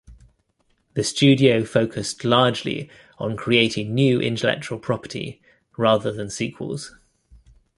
The studio focused largely on creating new intellectual property rather than sequels.